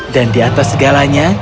dan di atas segalanya